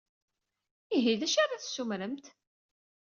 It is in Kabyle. Ihi, d acu ara d-tessumremt?